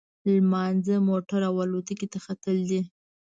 لمانځه، موټر او الوتکې ته ختل دي.